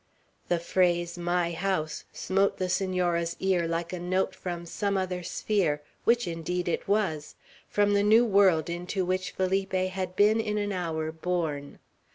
The phrase, "my house," smote the Senora's ear like a note from some other sphere, which indeed it was, from the new world into which Felipe had been in an hour born.